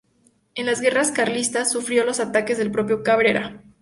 En las guerras carlistas sufrió los ataques del propio Cabrera.